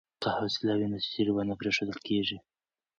که حوصله وي نو تجربه نه پریښودل کیږي.